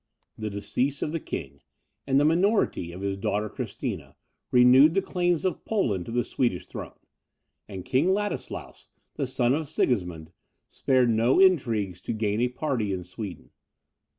The decease of the king, and the minority of his daughter Christina, renewed the claims of Poland to the Swedish throne; and King Ladislaus, the son of Sigismund, spared no intrigues to gain a party in Sweden.